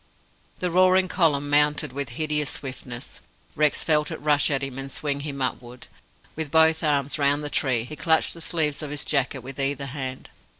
The roaring column mounted with hideous swiftness. Rex felt it rush at him and swing him upward. With both arms round the tree, he clutched the sleeves of his jacket with either hand.